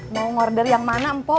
mau order yang mana empok